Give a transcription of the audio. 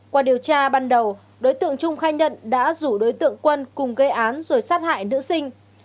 qua điều tra ban đầu đối tượng trung khai nhận đã rủ đối tượng quân cùng gây án rồi sát hại nữ sinh